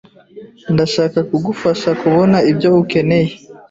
Ndashaka kugufasha kubona ibyo ukeneye.